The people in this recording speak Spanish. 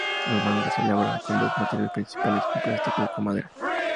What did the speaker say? Los mangos se elaboran con dos materiales principales: con plástico y con madera.